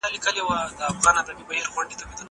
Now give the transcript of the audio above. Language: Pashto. زه به سبا کالي وچوم.